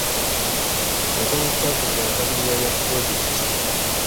Nkola bbago lya mbalirira ya pulojekiti.